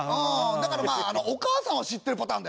だからまあお母さんは知ってるパターンだよね。